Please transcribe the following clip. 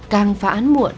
càng phá án muộn